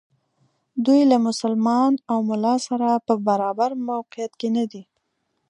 دوی له مسلمان او ملا سره په برابر موقعیت کې ندي.